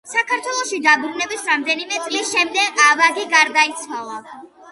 საქართველოში დაბრუნების რამდენიმე წლის შემდეგ ავაგი გარდაიცვალა.